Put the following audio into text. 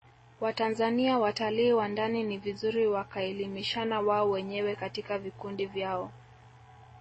Watanzania watalii wa ndani ni vizuri wakaelimishana wao wenyewe katika vikundi vyao